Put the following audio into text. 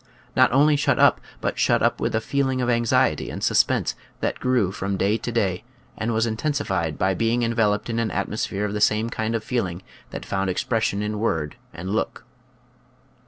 Not only shut up, but shut up with a feeling of anxiety and sus pense, that grew from day to day and was in tensified by being enveloped in an atmosphere ofjhe same kind of feeling that found expres sion in word and look.